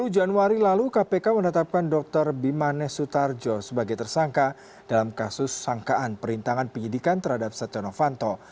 sepuluh januari lalu kpk menetapkan dr bimanes sutarjo sebagai tersangka dalam kasus sangkaan perintangan penyidikan terhadap setia novanto